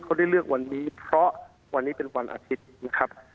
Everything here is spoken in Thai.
เขาได้เลือกวันนี้เพราะวันนี้เป็นวันอาทิตย์นะครับ